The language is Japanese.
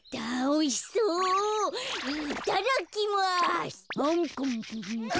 いただきます。